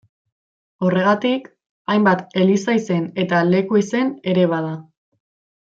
Horregatik, hainbat eliza-izen eta leku-izen ere bada.